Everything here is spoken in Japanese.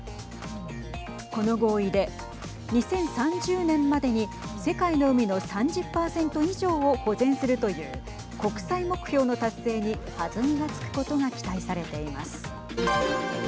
この合意で２０３０年までに世界の海の３０％以上を保全するという国際目標の達成に弾みがつくことが期待されています。